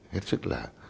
hết sức là